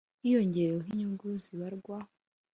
hiyongereyeho inyungu zibarwa